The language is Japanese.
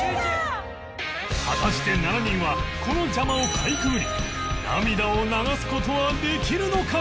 果たして７人はこの邪魔をかいくぐり涙を流す事はできるのか？